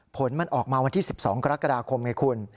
ผลมันออกมาวันที่๑๒กรกฎาคมไงคุณ